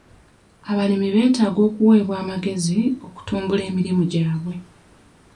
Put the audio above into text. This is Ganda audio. Abalimi betaaga okuwebwa amagezi okutumbula emirimu gyabwe.